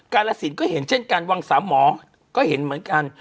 การระสิทธิ์ก็เห็นเช่นการวังศาหมอก็เห็นเหมือนกัน